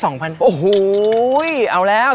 โอ้โหเอาแล้ว